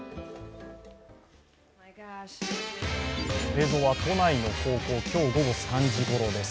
映像は都内の高校、今日午後３時ごろです。